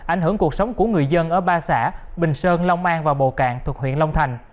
ảnh hưởng cuộc sống của người dân ở ba xã bình sơn long an và bồ cạn thuộc huyện long thành